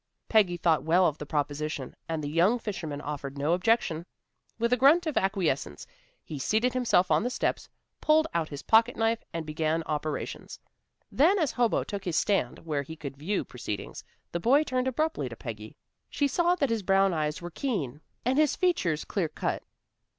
Peggy thought well of the proposition, and the young fisherman offered no objection. With a grunt of acquiescence he seated himself on the steps, pulled out his pocket knife and began operations. Then as Hobo took his stand where he could view proceedings, the boy turned abruptly to Peggy. She saw that his brown eyes were keen, and his features clear cut.